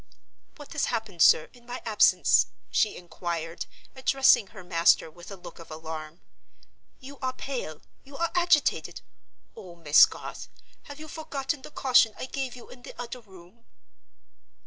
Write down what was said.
"What has happened, sir, in my absence?" she inquired, addressing her master with a look of alarm. "You are pale; you are agitated! Oh, Miss Garth, have you forgotten the caution I gave you in the other room?"